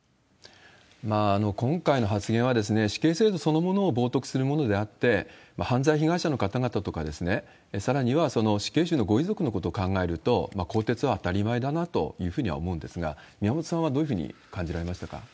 今回の発言は死刑制度そのものを冒とくするものであって、犯罪被害者の方々とか、さらには、その死刑囚のご遺族のことを考えると、こうてつはあたりまえだなというふうには思うんですが、宮本さんはどういうふうに感じられましたか？